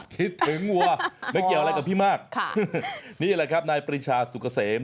คิดถึงวัวไม่เกี่ยวอะไรกับพี่มากค่ะนี่แหละครับนายปริชาสุกเกษม